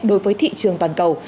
đối với thị trường toàn cầu